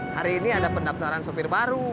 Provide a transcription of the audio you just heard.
hari ini ada pendaftaran sopir baru